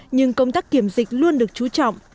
nhưng công tác kiểm dịch luôn được chú trọng